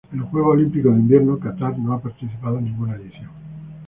En los Juegos Olímpicos de Invierno Catar no ha participado en ninguna edición.